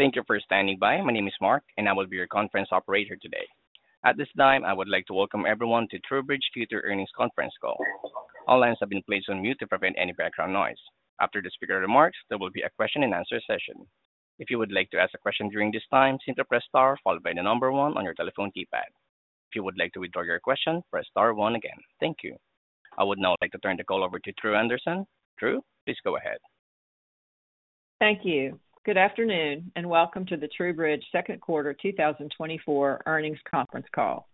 Thank you for standing by. My name is Mark, and I will be your conference operator today. At this time, I would like to welcome everyone to TruBridge Future Earnings Conference Call. All lines have been placed on mute to prevent any background noise. After the speaker remarks, there will be a question and answer session. If you would like to ask a question during this time, simply press Star followed by the number one on your telephone keypad. If you would like to withdraw your question, press Star one again. Thank you. I would now like to turn the call over to Dru Anderson. Dru, please go ahead. Thank you. Good afternoon, and welcome to the TruBridge Q2 2024 Earnings Conference Call.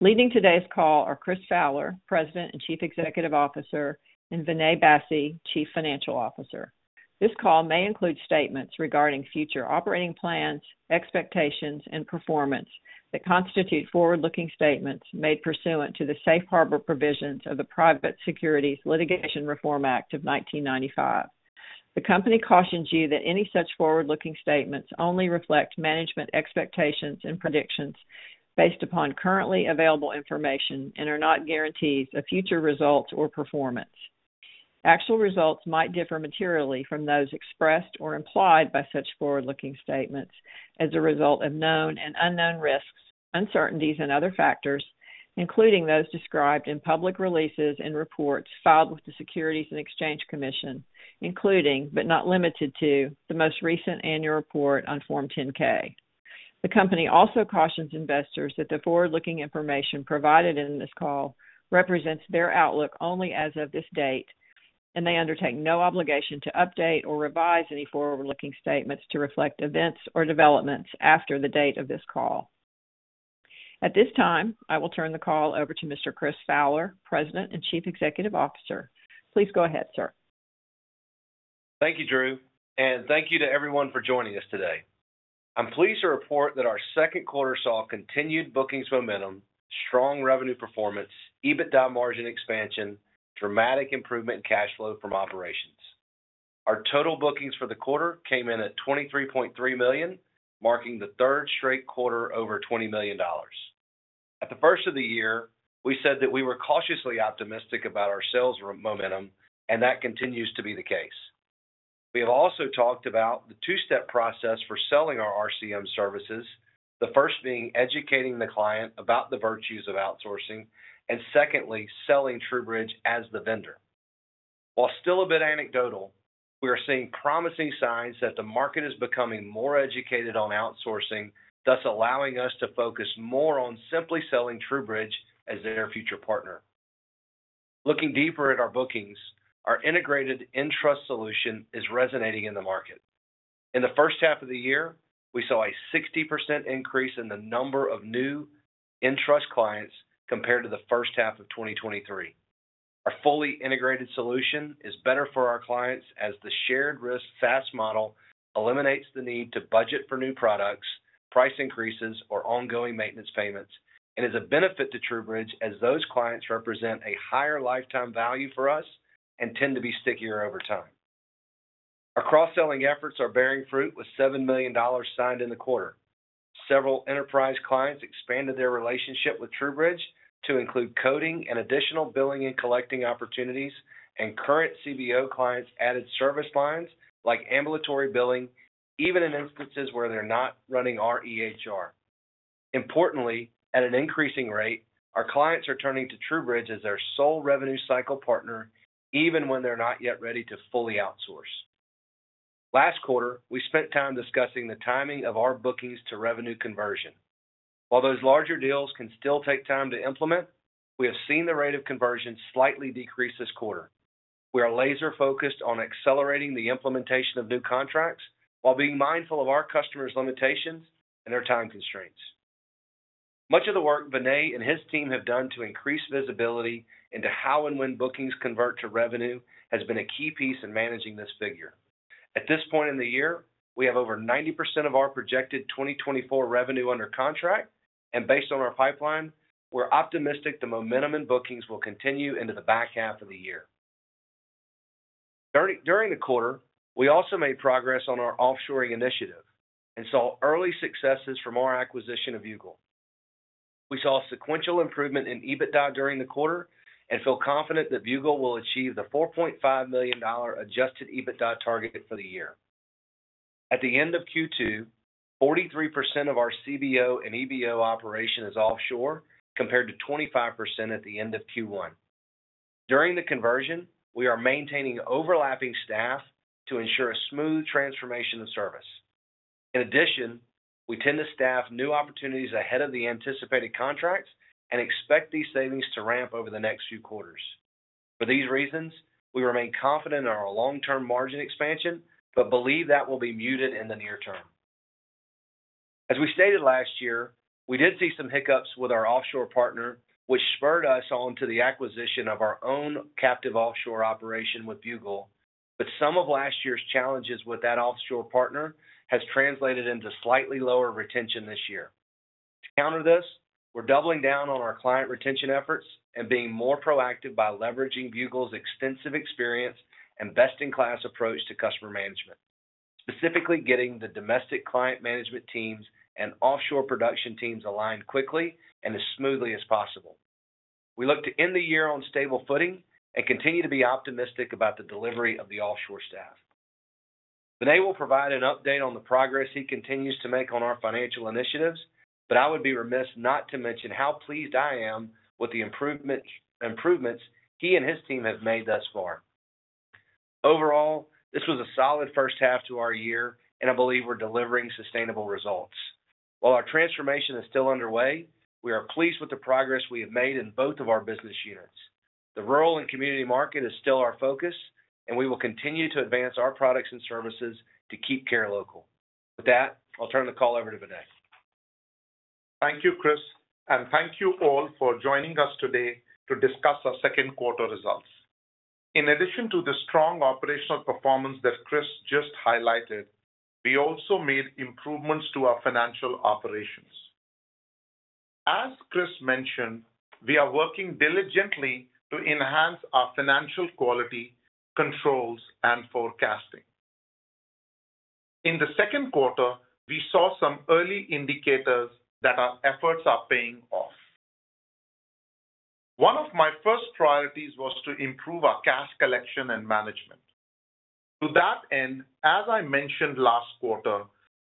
Leading today's call are Chris Fowler, President and Chief Executive Officer, and Vinay Bassi, Chief Financial Officer. This call may include statements regarding future operating plans, expectations, and performance that constitute forward-looking statements made pursuant to the Safe Harbor Provisions of the Private Securities Litigation Reform Act of 1995. The company cautions you that any such forward-looking statements only reflect management expectations and predictions based upon currently available information and are not guarantees of future results or performance. Actual results might differ materially from those expressed or implied by such forward-looking statements as a result of known and unknown risks, uncertainties, and other factors, including those described in public releases and reports filed with the Securities and Exchange Commission, including, but not limited to, the most recent annual report on Form 10-K. The company also cautions investors that the forward-looking information provided in this call represents their outlook only as of this date, and they undertake no obligation to update or revise any forward-looking statements to reflect events or developments after the date of this call. At this time, I will turn the call over to Mr. Chris Fowler, President and Chief Executive Officer. Please go ahead, sir. Thank you, Dru, and thank you to everyone for joining us today. I'm pleased to report that our second quarter saw continued bookings momentum, strong revenue performance, EBITDA margin expansion, dramatic improvement in cash flow from operations. Our total bookings for the quarter came in at $23.3 million, marking the third straight quarter over $20 million. At the first of the year, we said that we were cautiously optimistic about our sales momentum, and that continues to be the case. We have also talked about the two-step process for selling our RCM services, the first being educating the client about the virtues of outsourcing, and secondly, selling TruBridge as the vendor. While still a bit anecdotal, we are seeing promising signs that the market is becoming more educated on outsourcing, thus allowing us to focus more on simply selling TruBridge as their future partner. Looking deeper at our bookings, our integrated nTrust solution is resonating in the market. In the first half of the year, we saw a 60% increase in the number of new nTrust clients compared to the first half of 2023. Our fully integrated solution is better for our clients as the shared risk SaaS model eliminates the need to budget for new products, price increases, or ongoing maintenance payments, and is a benefit to TruBridge as those clients represent a higher lifetime value for us and tend to be stickier over time. Our cross-selling efforts are bearing fruit with $7 million signed in the quarter. Several enterprise clients expanded their relationship with TruBridge to include coding and additional billing and collecting opportunities, and current CBO clients added service lines like ambulatory billing, even in instances where they're not running our EHR. Importantly, at an increasing rate, our clients are turning to TruBridge as their sole revenue cycle partner, even when they're not yet ready to fully outsource. Last quarter, we spent time discussing the timing of our bookings to revenue conversion. While those larger deals can still take time to implement, we have seen the rate of conversion slightly decrease this quarter. We are laser focused on accelerating the implementation of new contracts while being mindful of our customers' limitations and their time constraints. Much of the work Vinay and his team have done to increase visibility into how and when bookings convert to revenue has been a key piece in managing this figure. At this point in the year, we have over 90% of our projected 2024 revenue under contract, and based on our pipeline, we're optimistic the momentum in bookings will continue into the back half of the year. During the quarter, we also made progress on our offshoring initiative and saw early successes from our acquisition of Viewgol. We saw a sequential improvement in EBITDA during the quarter and feel confident that Viewgol will achieve the $4.5 million adjusted EBITDA target for the year. At the end of Q2, 43% of our CBO and EBO operation is offshore, compared to 25% at the end of Q1. During the conversion, we are maintaining overlapping staff to ensure a smooth transformation of service. In addition, we tend to staff new opportunities ahead of the anticipated contracts and expect these savings to ramp over the next few quarters. For these reasons, we remain confident in our long-term margin expansion, but believe that will be muted in the near term. As we stated last year, we did see some hiccups with our offshore partner, which spurred us on to the acquisition of our own captive offshore operation with Viewgol. But some of last year's challenges with that offshore partner has translated into slightly lower retention this year. To counter this, we're doubling down on our client retention efforts and being more proactive by leveraging Viewgol's extensive experience and best-in-class approach to customer management.... specifically getting the domestic client management teams and offshore production teams aligned quickly and as smoothly as possible. We look to end the year on stable footing and continue to be optimistic about the delivery of the offshore staff. Vinay will provide an update on the progress he continues to make on our financial initiatives, but I would be remiss not to mention how pleased I am with the improvement, improvements he and his team have made thus far. Overall, this was a solid first half to our year, and I believe we're delivering sustainable results. While our transformation is still underway, we are pleased with the progress we have made in both of our business units. The rural and community market is still our focus, and we will continue to advance our products and services to keep care local. With that, I'll turn the call over to Vinay. Thank you, Chris, and thank you all for joining us today to discuss our Q2 results. In addition to the strong operational performance that Chris just highlighted, we also made improvements to our financial operations. As Chris mentioned, we are working diligently to enhance our financial quality, controls, and forecasting. In the Q2, we saw some early indicators that our efforts are paying off. One of my first priorities was to improve our cash collection and management. To that end, as I mentioned last quarter,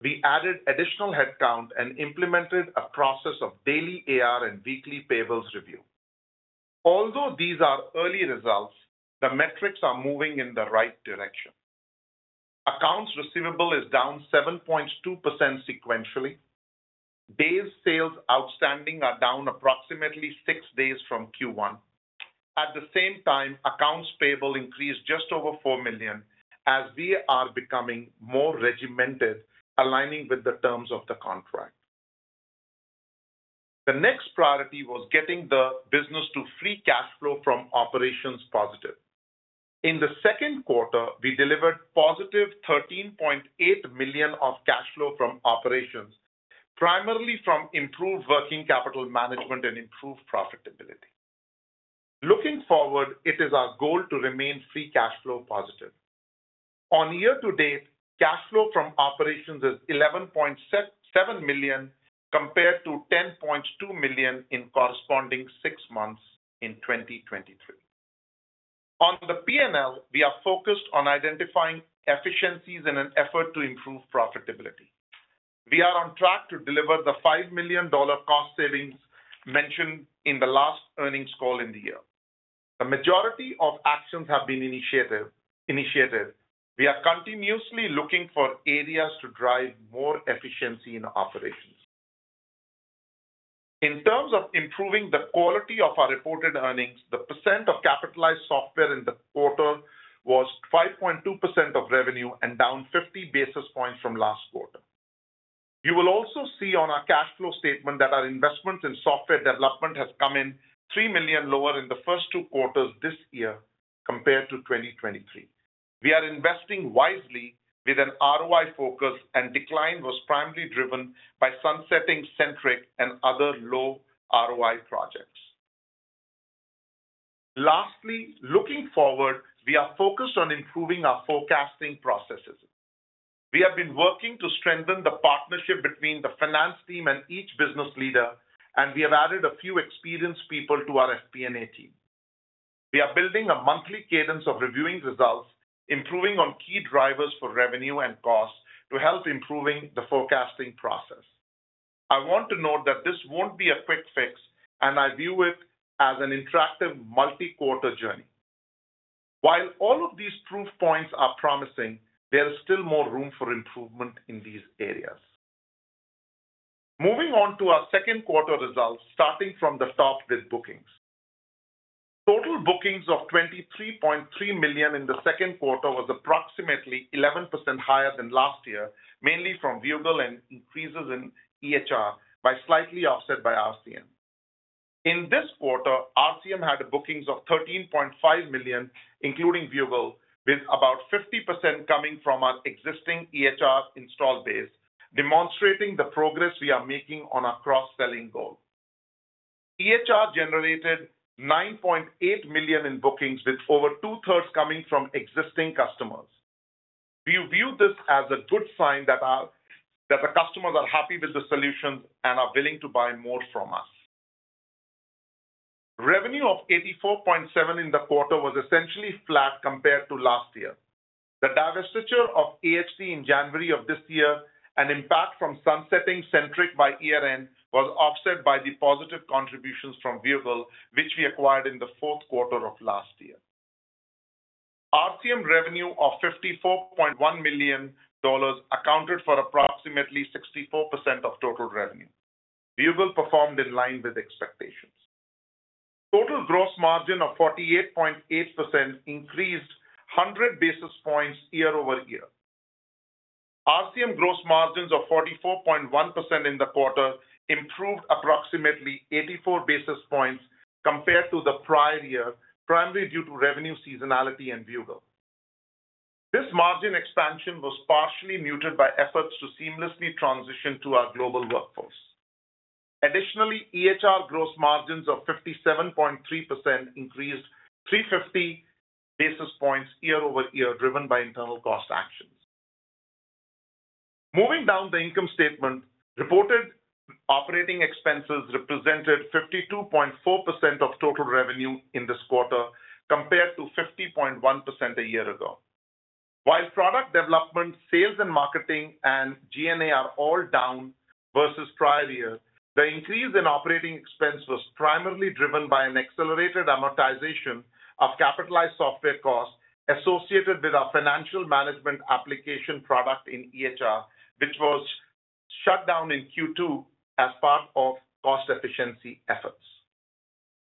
we added additional headcount and implemented a process of daily AR and weekly payables review. Although these are early results, the metrics are moving in the right direction. Accounts receivable is down 7.2% sequentially. Days sales outstanding are down approximately 6 days from Q1. At the same time, accounts payable increased just over $4 million as we are becoming more regimented, aligning with the terms of the contract. The next priority was getting the business to free cash flow from operations positive. In the Q2, we delivered positive $13.8 million of cash flow from operations, primarily from improved working capital management and improved profitability. Looking forward, it is our goal to remain free cash flow positive. On year-to-date, cash flow from operations is $11.7 million compared to $10.2 million in corresponding six months in 2023. On to the P&L, we are focused on identifying efficiencies in an effort to improve profitability. We are on track to deliver the $5 million cost savings mentioned in the last earnings call in the year. The majority of actions have been initiated. We are continuously looking for areas to drive more efficiency in operations. In terms of improving the quality of our reported earnings, the percent of capitalized software in the quarter was 5.2% of revenue and down 50 basis points from last quarter. You will also see on our cash flow statement that our investment in software development has come in $3 million lower in the first two quarters this year compared to 2023. We are investing wisely with an ROI focus, and decline was primarily driven by sunsetting Centriq and other low ROI projects. Lastly, looking forward, we are focused on improving our forecasting processes. We have been working to strengthen the partnership between the finance team and each business leader, and we have added a few experienced people to our FP&A team. We are building a monthly cadence of reviewing results, improving on key drivers for revenue and costs to help improving the forecasting process. I want to note that this won't be a quick fix, and I view it as an interactive multi-quarter journey. While all of these proof points are promising, there is still more room for improvement in these areas. Moving on to our Q2 results, starting from the top with bookings. Total bookings of $23.3 million in the Q2 was approximately 11% higher than last year, mainly from Viewgol and increases in EHR by slightly offset by RCM. In this quarter, RCM had bookings of $13.5 million, including Viewgol, with about 50% coming from our existing EHR install base, demonstrating the progress we are making on our cross-selling goal. EHR generated $9.8 million in bookings, with over two-thirds coming from existing customers. We view this as a good sign that the customers are happy with the solutions and are willing to buy more from us. Revenue of $84.7 million in the quarter was essentially flat compared to last year. The divestiture of AHT in January of this year and impact from sunsetting Centriq, our EHR was offset by the positive contributions from Viewgol, which we acquired in the Q4 of last year. RCM revenue of $54.1 million accounted for approximately 64% of total revenue. Viewgol performed in line with expectations. Total gross margin of 48.8% increased 100 basis points year-over-year. RCM gross margins of 44.1% in the quarter improved approximately 84 basis points compared to the prior year, primarily due to revenue seasonality and Viewgol. This margin expansion was partially muted by efforts to seamlessly transition to our global workforce. Additionally, EHR gross margins of 57.3% increased 350 basis points year-over-year, driven by internal cost actions. Moving down the income statement, reported operating expenses represented 52.4% of total revenue in this quarter, compared to 50.1% a year ago. While product development, sales and marketing, and G&A are all down versus prior year, the increase in operating expense was primarily driven by an accelerated amortization of capitalized software costs associated with our financial management application product in EHR, which was shut down in Q2 as part of cost efficiency efforts.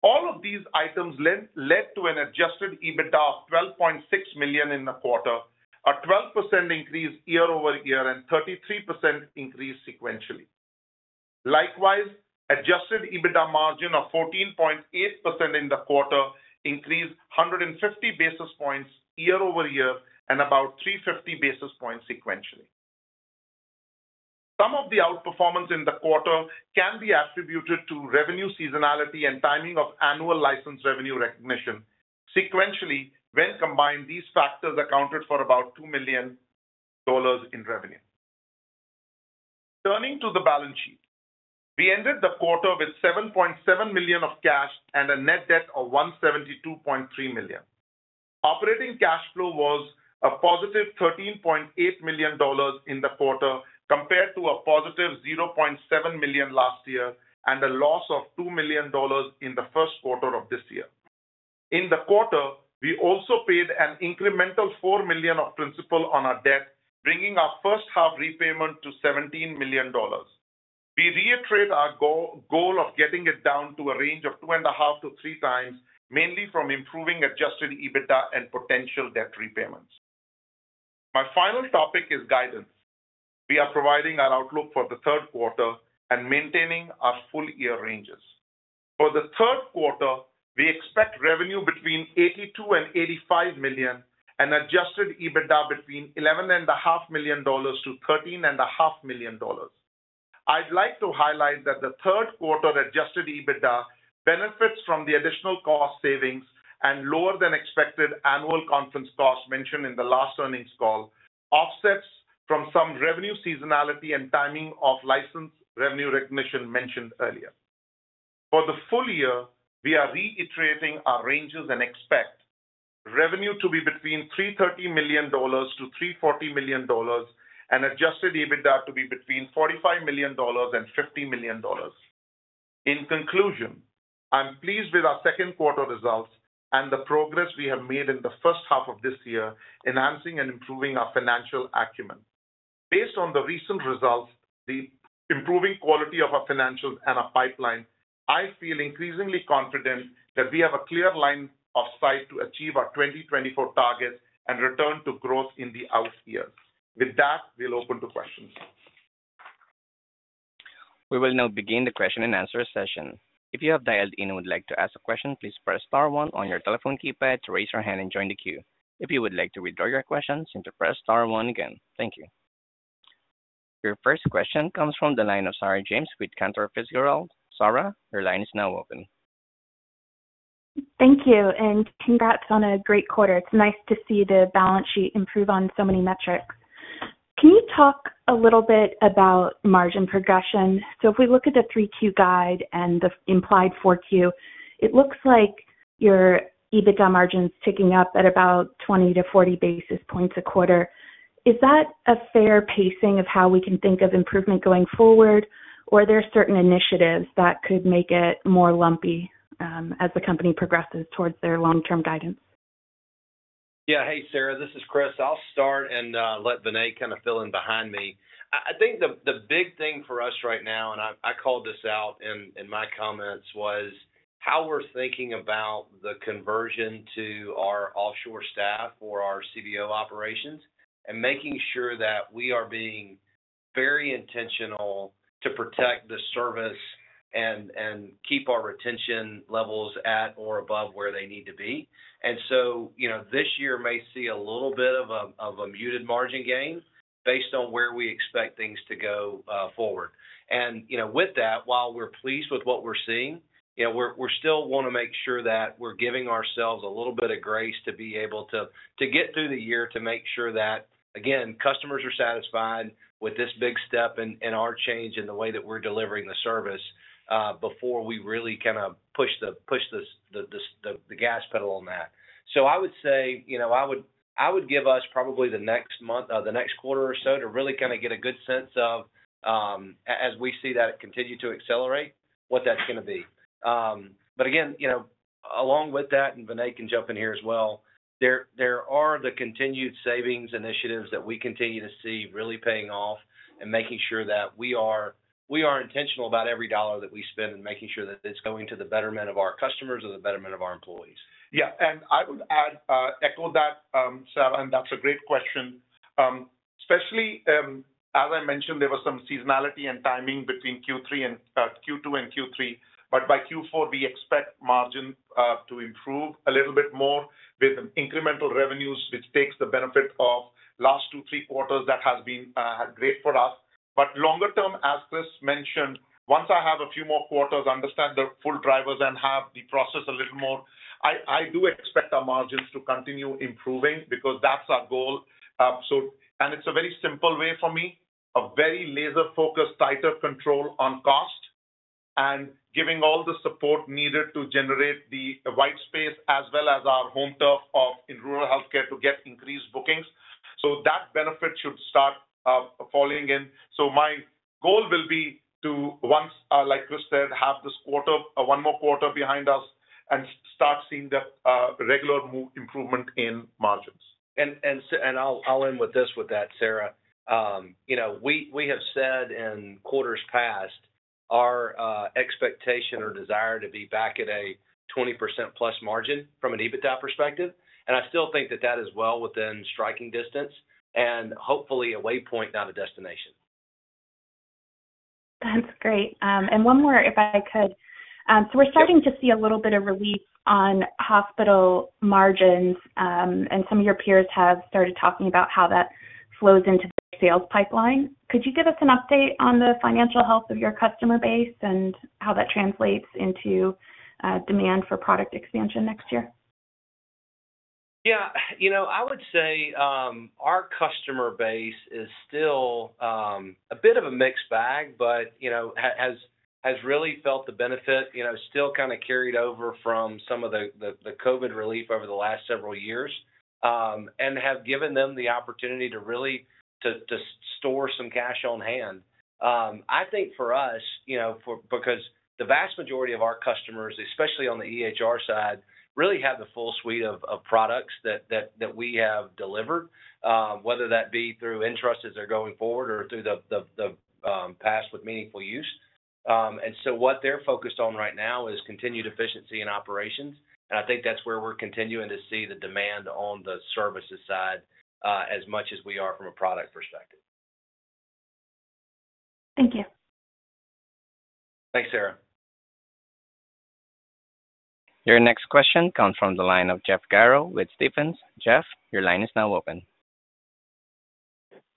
All of these items led to an adjusted EBITDA of $12.6 million in the quarter, a 12% increase year-over-year, and 33% increase sequentially. Likewise, adjusted EBITDA margin of 14.8% in the quarter increased 150 basis points year-over-year, and about 350 basis points sequentially. Some of the outperformance in the quarter can be attributed to revenue seasonality and timing of annual license revenue recognition. Sequentially, when combined, these factors accounted for about $2 million in revenue. Turning to the balance sheet. We ended the quarter with $7.7 million of cash and a net debt of $172.3 million. Operating cash flow was a positive $13.8 million in the quarter, compared to a positive $0.7 million last year, and a loss of $2 million in the Q1 of this year. In the quarter, we also paid an incremental $4 million of principal on our debt, bringing our first half repayment to $17 million. We reiterate our goal of getting it down to a range of 2.5-3 times, mainly from improving adjusted EBITDA and potential debt repayments. My final topic is guidance. We are providing our outlook for the Q3 and maintaining our full year ranges. For the Q3, we expect revenue between $82 million-$85 million, and adjusted EBITDA between $11.5 million-$13.5 million. I'd like to highlight that the Q3 Adjusted EBITDA benefits from the additional cost savings and lower than expected annual conference costs mentioned in the last earnings call, offsets from some revenue seasonality and timing of license revenue recognition mentioned earlier. For the full year, we are reiterating our ranges and expect revenue to be between $330 million and $340 million, and Adjusted EBITDA to be between $45 million and $50 million. In conclusion, I'm pleased with our Q2 results and the progress we have made in the first half of this year, enhancing and improving our financial acumen. Based on the recent results, the improving quality of our financials and our pipeline, I feel increasingly confident that we have a clear line of sight to achieve our 2024 targets and return to growth in the out years. With that, we'll open to questions. We will now begin the question and answer session. If you have dialed in and would like to ask a question, please press star one on your telephone keypad to raise your hand and join the queue. If you would like to withdraw your question, simply press star one again. Thank you. Your first question comes from the line of Sarah James with Cantor Fitzgerald. Sarah, your line is now open. Thank you, and congrats on a great quarter. It's nice to see the balance sheet improve on so many metrics. Can you talk a little bit about margin progression? So if we look at the 3Q guide and the implied 4Q, it looks like your EBITDA margin's ticking up at about 20-40 basis points a quarter. Is that a fair pacing of how we can think of improvement going forward, or are there certain initiatives that could make it more lumpy, as the company progresses towards their long-term guidance? Yeah. Hey, Sarah, this is Chris. I'll start and let Vinay kind of fill in behind me. I think the big thing for us right now, and I called this out in my comments, was how we're thinking about the conversion to our offshore staff for our CBO operations. And making sure that we are being very intentional to protect the service and keep our retention levels at or above where they need to be. And so, you know, this year may see a little bit of a muted margin gain, based on where we expect things to go forward. You know, with that, while we're pleased with what we're seeing, you know, we still wanna make sure that we're giving ourselves a little bit of grace to be able to get through the year, to make sure that, again, customers are satisfied with this big step and our change in the way that we're delivering the service before we really kind of push the gas pedal on that. So I would say, you know, I would give us probably the next month or the next quarter or so to really kind of get a good sense of as we see that continue to accelerate, what that's gonna be. But again, you know, along with that, and Vinay can jump in here as well, there are the continued savings initiatives that we continue to see really paying off and making sure that we are intentional about every dollar that we spend, and making sure that it's going to the betterment of our customers or the betterment of our employees. Yeah, and I would add, echo that, Sarah, and that's a great question. Especially, as I mentioned, there was some seasonality and timing between Q3 and, Q2 and Q3, but by Q4, we expect margin, to improve a little bit more with incremental revenues, which takes the benefit of last two, three quarters. That has been, great for us. But longer term, as Chris mentioned, once I have a few more quarters, understand the full drivers and have the process a little more, I, I do expect our margins to continue improving because that's our goal. So and it's a very simple way for me, a very laser-focused, tighter control on cost and giving all the support needed to generate the white space as well as our home turf of in rural healthcare to get increased bookings. That benefit should start falling in. My goal will be to once, like Chris said, have this quarter, one more quarter behind us and start seeing the regular improvement in margins. I'll end with this, with that, Sarah. You know, we have said in quarters past our expectation or desire to be back at a 20%+ margin from an EBITDA perspective, and I still think that that is well within striking distance and hopefully a waypoint, not a destination. That's great. And one more, if I could. So we're starting- Sure. - to see a little bit of relief on hospital margins, and some of your peers have started talking about how that flows into the sales pipeline. Could you give us an update on the financial health of your customer base and how that translates into, demand for product expansion next year? Yeah, you know, I would say, our customer base is still a bit of a mixed bag, but, you know, has really felt the benefit, you know, still kind of carried over from some of the COVID relief over the last several years. And have given them the opportunity to really store some cash on hand. I think for us, you know, for—because the vast majority of our customers, especially on the EHR side, really have the full suite of products that we have delivered. Whether that be through interest as they're going forward or through the past with Meaningful Use. And so what they're focused on right now is continued efficiency in operations, and I think that's where we're continuing to see the demand on the services side, as much as we are from a product perspective. Thank you. Thanks, Sarah. Your next question comes from the line of Jeff Garro with Stephens. Jeff, your line is now open.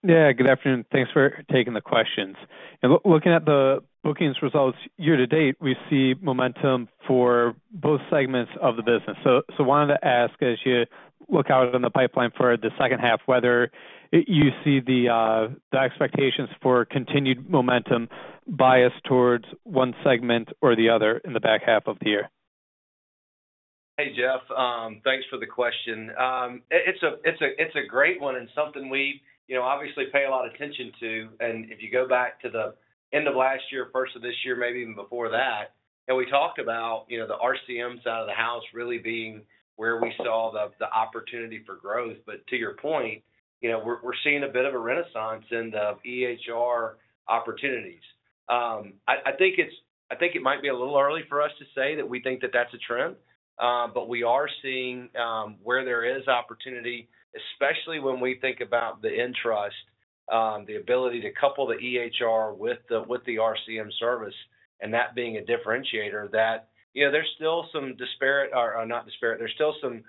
Yeah, good afternoon. Thanks for taking the questions. And looking at the bookings results year to date, we see momentum for both segments of the business. So wanted to ask as you look out on the pipeline for the second half, whether you see the expectations for continued momentum bias towards one segment or the other in the back half of the year? Hey, Jeff, thanks for the question. It's a great one and something we, you know, obviously pay a lot of attention to. If you go back to the end of last year, first of this year, maybe even before that, and we talked about, you know, the RCM side of the house really being where we saw the opportunity for growth. But to your point, you know, we're seeing a bit of a renaissance in the EHR opportunities. I think it might be a little early for us to say that we think that that's a trend, but we are seeing where there is opportunity, especially when we think about the nTrust, the ability to couple the EHR with the RCM service, and that being a differentiator, that you know, there's still some disparate or not disparate, there's still some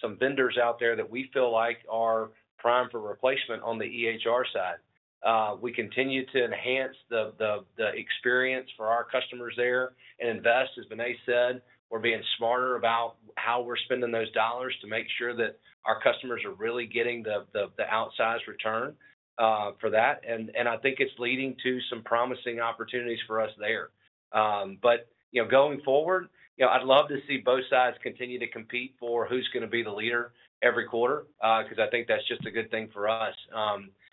some vendors out there that we feel like are prime for replacement on the EHR side. We continue to enhance the experience for our customers there and invest, as Vinay said, we're being smarter about how we're spending those dollars to make sure that our customers are really getting the outsized return for that. And I think it's leading to some promising opportunities for us there. But, you know, going forward, you know, I'd love to see both sides continue to compete for who's gonna be the leader every quarter, because I think that's just a good thing for us.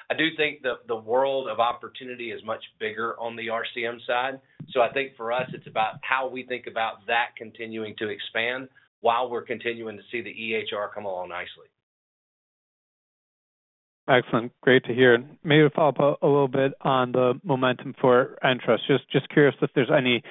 I do think that the world of opportunity is much bigger on the RCM side. So I think for us, it's about how we think about that continuing to expand, while we're continuing to see the EHR come along nicely. Excellent. Great to hear. Maybe to follow up a little bit on the momentum for nTrust. Just, just curious if there's any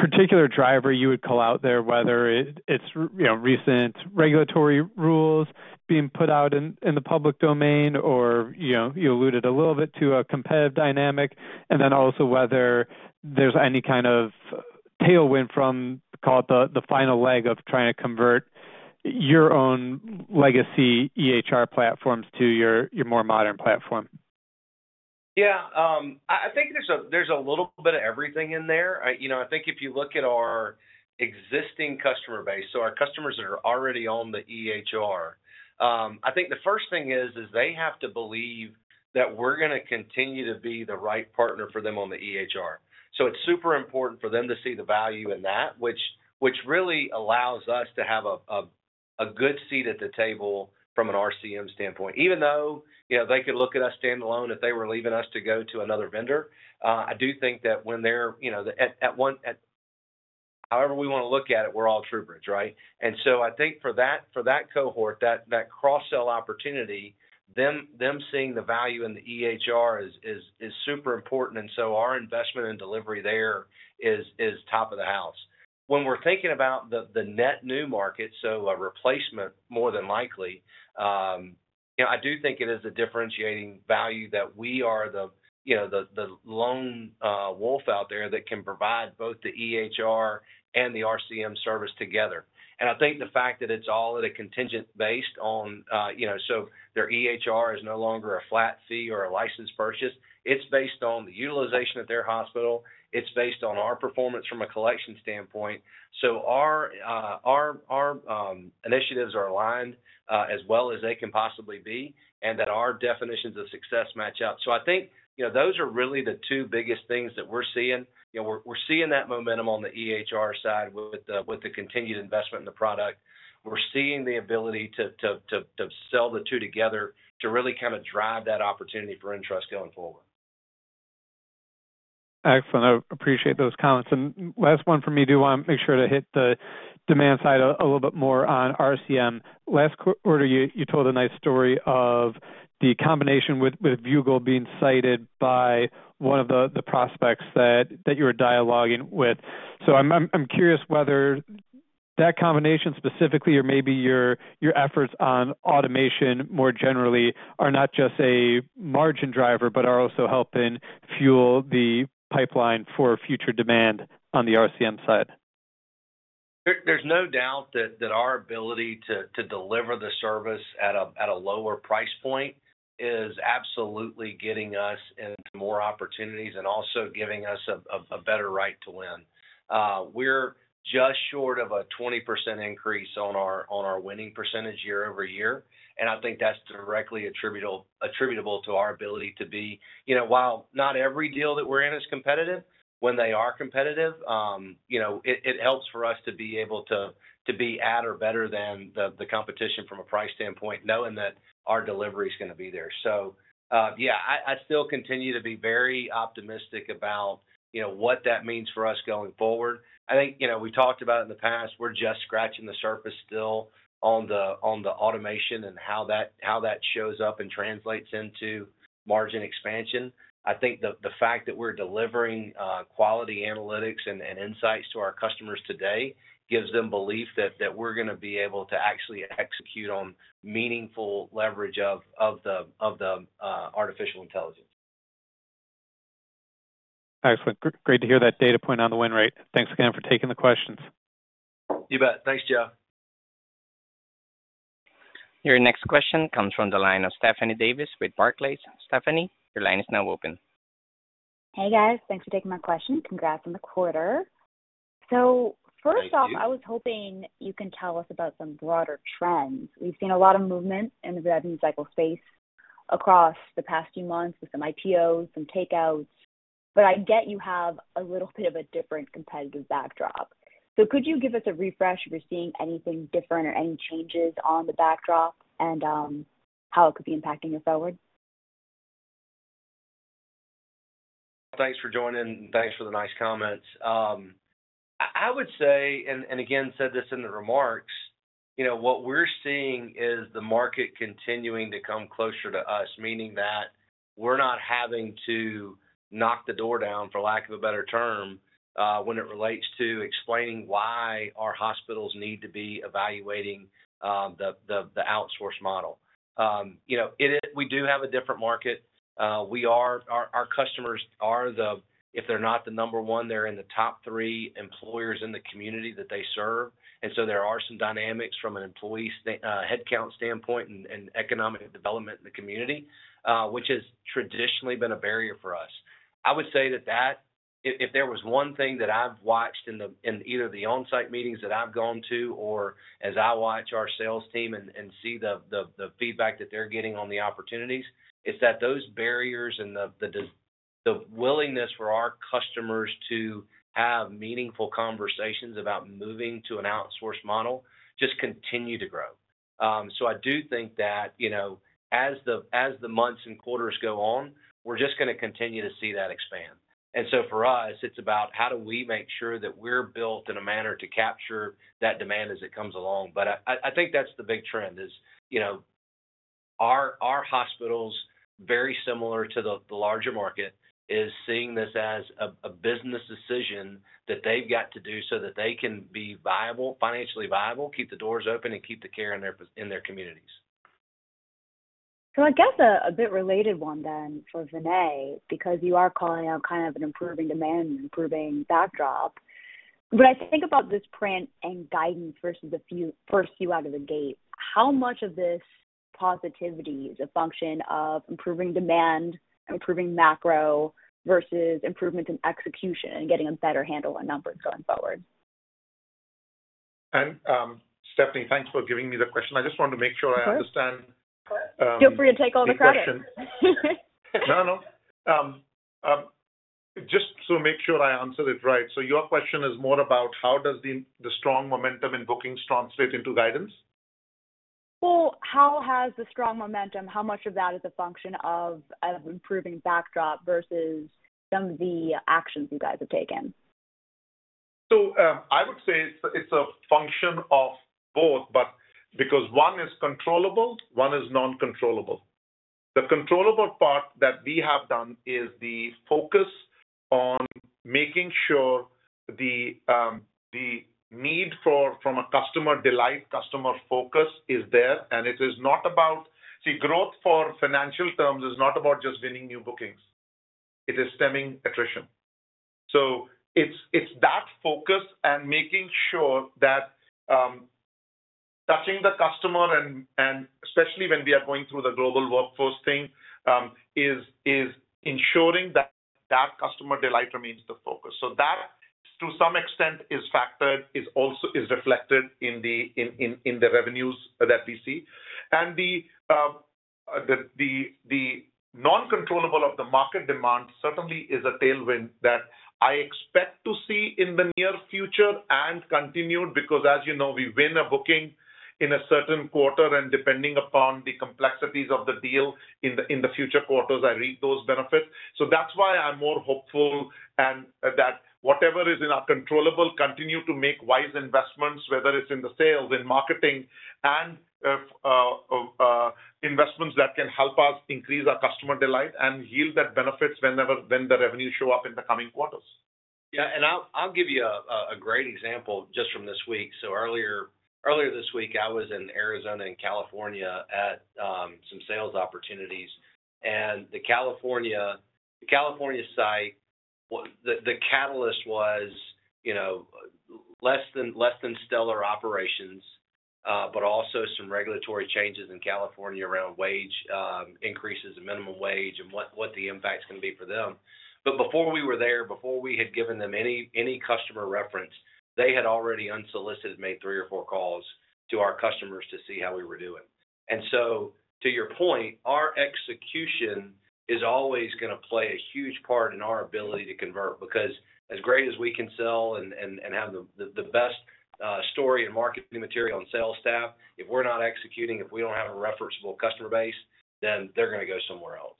particular driver you would call out there, whether it, it's, you know, recent regulatory rules being put out in, in the public domain or, you know, you alluded a little bit to a competitive dynamic. And then also whether there's any kind of tailwind from, call it the, the final leg of trying to convert your own legacy EHR platforms to your, your more modern platform. Yeah, I think there's a little bit of everything in there. You know, I think if you look at our existing customer base, so our customers that are already on the EHR, I think the first thing is they have to believe that we're gonna continue to be the right partner for them on the EHR. So it's super important for them to see the value in that, which really allows us to have a good seat at the table from an RCM standpoint. Even though, you know, they could look at us standalone if they were leaving us to go to another vendor, I do think that when they're, you know, at one, however we wanna look at it, we're all TruBridge, right? So I think for that cohort, that cross-sell opportunity, them seeing the value in the EHR is super important, and so our investment in delivery there is top of the house. When we're thinking about the net new market, so a replacement more than likely, you know, I do think it is a differentiating value that we are the, you know, the lone wolf out there that can provide both the EHR and the RCM service together.... And I think the fact that it's all at a contingent based on, you know, so their EHR is no longer a flat fee or a license purchase. It's based on the utilization of their hospital. It's based on our performance from a collection standpoint. So our initiatives are aligned as well as they can possibly be, and that our definitions of success match up. So I think, you know, those are really the two biggest things that we're seeing. You know, we're seeing that momentum on the EHR side with the continued investment in the product. We're seeing the ability to sell the two together to really kind of drive that opportunity for nTrust going forward. Excellent. I appreciate those comments. Last one from me. Do want to make sure to hit the demand side a little bit more on RCM. Last quarter, you told a nice story of the combination with Viewgol being cited by one of the prospects that you were dialoguing with. So I'm curious whether that combination specifically, or maybe your efforts on automation more generally, are not just a margin driver, but are also helping fuel the pipeline for future demand on the RCM side. There's no doubt that our ability to deliver the service at a lower price point is absolutely getting us into more opportunities and also giving us a better right to win. We're just short of a 20% increase on our winning percentage year over year, and I think that's directly attributable to our ability to be... You know, while not every deal that we're in is competitive, when they are competitive, you know, it helps for us to be able to be at or better than the competition from a price standpoint, knowing that our delivery is gonna be there. So, yeah, I still continue to be very optimistic about, you know, what that means for us going forward. I think, you know, we talked about in the past, we're just scratching the surface still on the automation and how that shows up and translates into margin expansion. I think the fact that we're delivering quality analytics and insights to our customers today gives them belief that we're gonna be able to actually execute on meaningful leverage of the artificial intelligence. Excellent. Great to hear that data point on the win rate. Thanks again for taking the questions. You bet. Thanks, Joe. Your next question comes from the line of Stephanie Davis with Barclays. Stephanie, your line is now open. Hey, guys. Thanks for taking my question. Congrats on the quarter. Thank you. So first off, I was hoping you can tell us about some broader trends. We've seen a lot of movement in the revenue cycle space across the past few months with some IPOs, some takeouts, but I get you have a little bit of a different competitive backdrop. So could you give us a refresh if you're seeing anything different or any changes on the backdrop and how it could be impacting you forward? Thanks for joining, and thanks for the nice comments. I would say, and again said this in the remarks, you know, what we're seeing is the market continuing to come closer to us, meaning that we're not having to knock the door down, for lack of a better term, when it relates to explaining why our hospitals need to be evaluating the outsource model. You know, it is. We do have a different market. We are. Our customers are the, if they're not the number one, they're in the top three employers in the community that they serve. And so there are some dynamics from an employee headcount standpoint and economic development in the community, which has traditionally been a barrier for us. I would say that. If there was one thing that I've watched in either the on-site meetings that I've gone to, or as I watch our sales team and see the feedback that they're getting on the opportunities, is that those barriers and the willingness for our customers to have meaningful conversations about moving to an outsource model just continue to grow. So I do think that, you know, as the months and quarters go on, we're just gonna continue to see that expand. And so for us, it's about how do we make sure that we're built in a manner to capture that demand as it comes along. But I think that's the big trend is, you know, our hospitals, very similar to the larger market, is seeing this as a business decision that they've got to do so that they can be viable, financially viable, keep the doors open, and keep the care in their communities. So I guess a bit related one then for Vinay, because you are calling out kind of an improving demand and improving backdrop. But I think about this print and guidance versus the few, first few out of the gate, how much of this positivity is a function of improving demand, improving macro, versus improvements in execution and getting a better handle on numbers going forward? Stephanie, thanks for giving me the question. I just want to make sure I understand- Sure. The question. Feel free to take all the credit. No, no. Just to make sure I answer it right, so your question is more about how does the strong momentum in bookings translate into guidance? Well, how has the strong momentum, how much of that is a function of an improving backdrop versus some of the actions you guys have taken? So, I would say it's a function of both, but because one is controllable, one is non-controllable. The controllable part that we have done is the focus on making sure the need for, from a customer delight, customer focus is there, and it is not about... See, growth for financial terms is not about just winning new bookings. It is stemming attrition. So it's that focus and making sure that, touching the customer and, especially when we are going through the global workforce thing, is ensuring that that customer delight remains the focus. So that, to some extent, is factored, is also reflected in the revenues that we see. And the non-controllable of the market demand certainly is a tailwind that I expect to see in the near future and continued because, as you know, we win a booking in a certain quarter, and depending upon the complexities of the deal in the future quarters, I reap those benefits. So that's why I'm more hopeful, and that whatever is in our controllable, continue to make wise investments, whether it's in the sales, in marketing, and investments that can help us increase our customer delight and yield that benefits whenever, when the revenues show up in the coming quarters. Yeah, and I'll give you a great example just from this week. So earlier this week, I was in Arizona and California at some sales opportunities. And the California site, the catalyst was, you know, less than stellar operations, but also some regulatory changes in California around wage increases in minimum wage and what the impact's gonna be for them. But before we were there, before we had given them any customer reference, they had already unsolicited made 3 or 4 calls to our customers to see how we were doing. And so to your point, our execution is always gonna play a huge part in our ability to convert, because as great as we can sell and have the best story and marketing material and sales staff, if we're not executing, if we don't have a referenceable customer base, then they're gonna go somewhere else.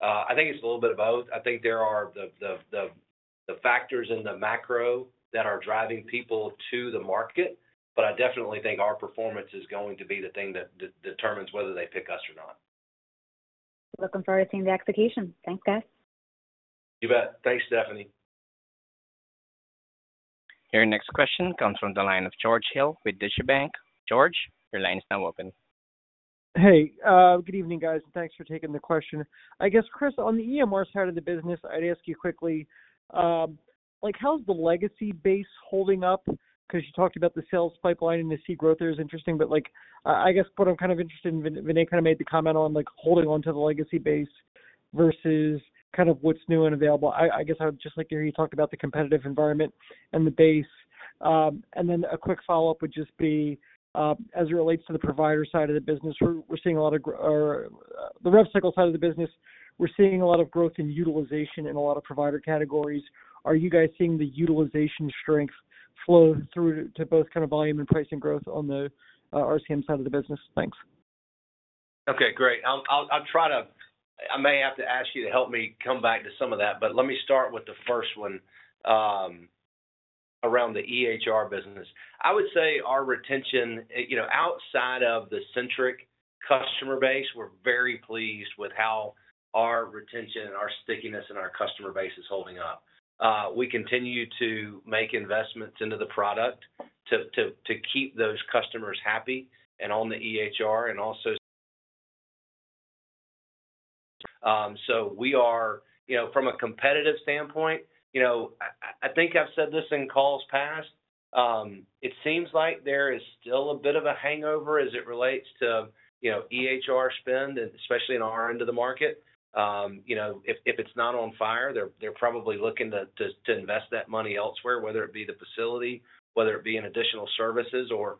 I think it's a little bit of both. I think there are the factors in the macro that are driving people to the market, but I definitely think our performance is going to be the thing that determines whether they pick us or not. Looking forward to seeing the execution. Thanks, guys. You bet. Thanks, Stephanie. Your next question comes from the line of George Hill with Deutsche Bank. George, your line is now open. Hey, good evening, guys. Thanks for taking the question. I guess, Chris, on the EMR side of the business, I'd ask you quickly, like, how's the legacy base holding up? Because you talked about the sales pipeline, and to see growth there is interesting, but, like, I guess what I'm kind of interested in, Vinay kind of made the comment on, like, holding on to the legacy base versus kind of what's new and available. I guess I would just like to hear you talk about the competitive environment and the base. And then a quick follow-up would just be, as it relates to the provider side of the business, we're seeing a lot of growth in utilization in a lot of provider categories on the rev cycle side of the business. Are you guys seeing the utilization strength flow through to both kind of volume and pricing growth on the RCM side of the business? Thanks. Okay, great. I'll try to... I may have to ask you to help me come back to some of that, but let me start with the first one, around the EHR business. I would say our retention, you know, outside of the Centriq customer base, we're very pleased with how our retention and our stickiness and our customer base is holding up. We continue to make investments into the product to keep those customers happy and on the EHR, and also... So we are, you know, from a competitive standpoint, you know, I think I've said this in calls past, it seems like there is still a bit of a hangover as it relates to, you know, EHR spend, especially in our end of the market. You know, if it's not on fire, they're probably looking to invest that money elsewhere, whether it be the facility, whether it be in additional services or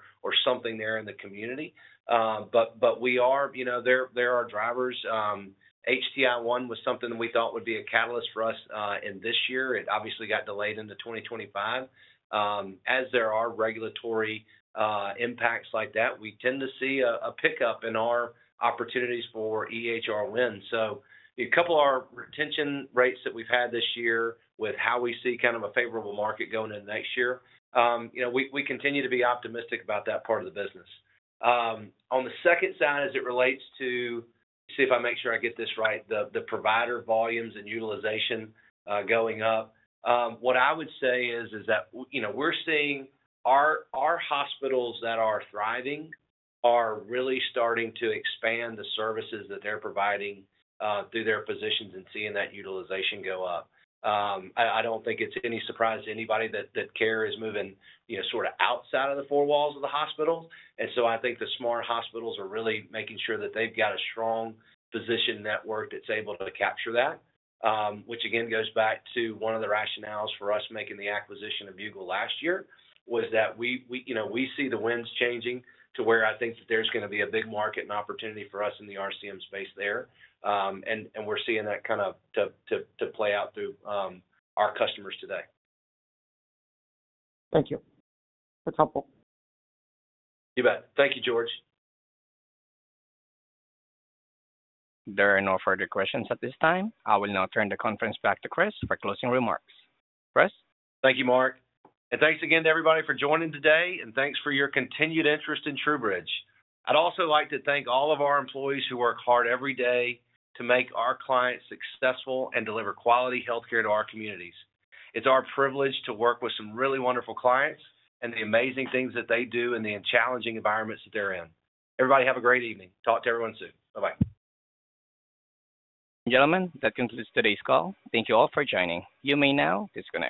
something there in the community. But we are, you know, there are drivers. HTI-1 was something that we thought would be a catalyst for us in this year. It obviously got delayed into 2025. As there are regulatory impacts like that, we tend to see a pickup in our opportunities for EHR wins. So a couple of our retention rates that we've had this year with how we see kind of a favorable market going into next year, you know, we continue to be optimistic about that part of the business. On the second side, as it relates to... Let me make sure I get this right, the provider volumes and utilization going up. What I would say is that, you know, we're seeing our hospitals that are thriving are really starting to expand the services that they're providing through their physicians and seeing that utilization go up. I don't think it's any surprise to anybody that care is moving, you know, sort of outside of the four walls of the hospital. And so I think the smarter hospitals are really making sure that they've got a strong physician network that's able to capture that. Which again goes back to one of the rationales for us making the acquisition of Viewgol last year, was that we, you know, we see the winds changing to where I think that there's gonna be a big market and opportunity for us in the RCM space there. And we're seeing that kind of to play out through our customers today. Thank you. That's helpful. You bet. Thank you, George. There are no further questions at this time. I will now turn the conference back to Chris for closing remarks. Chris? Thank you, Mark. And thanks again to everybody for joining today, and thanks for your continued interest in TruBridge. I'd also like to thank all of our employees who work hard every day to make our clients successful and deliver quality healthcare to our communities. It's our privilege to work with some really wonderful clients and the amazing things that they do in the challenging environments that they're in. Everybody, have a great evening. Talk to everyone soon. Bye-bye. Gentlemen, that concludes today's call. Thank you all for joining. You may now disconnect.